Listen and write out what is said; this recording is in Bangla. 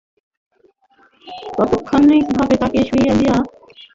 তাৎক্ষণিকভাবে তাঁকে শুইয়ে দিয়ে দুই বন্ধুসহ বাড়ির লোকজন মাথায় পানি ঢালতে থাকে।